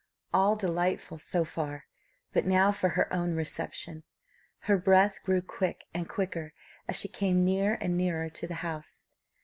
All delightful so far; but now for her own reception. Her breath grew quick and quicker as she came near and nearer to the house.